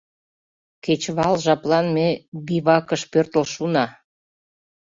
Кечывал жаплан ме бивакыш пӧртыл шуна.